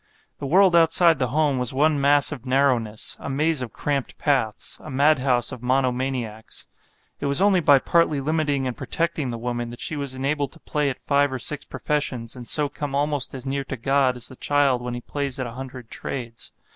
The world outside the home was one mass of narrowness, a maze of cramped paths, a madhouse of monomaniacs. It was only by partly limiting and protecting the woman that she was enabled to play at five or six professions and so come almost as near to God as the child when he plays at a hundred trades.